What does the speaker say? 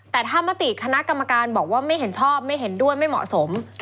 แต่ถ้ามติคณะกรรมการบอกว่าไม่เห็นชอบไม่เห็นด้วยไม่เหมาะสม